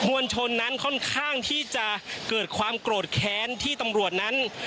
วลชนนั้นค่อนข้างที่จะเกิดความโกรธแค้นที่ตำรวจนั้น